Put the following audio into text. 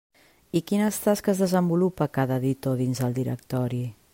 I quines tasques desenvolupa cada editor dins el directori?